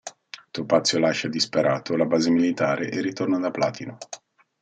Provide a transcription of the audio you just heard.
Topazio lascia, disperato, la base militare e ritorna da Platino.